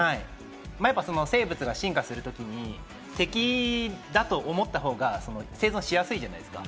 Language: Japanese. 生物が進化するときに、敵だと思った方が生存しやすいじゃないですか。